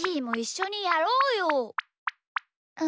うん。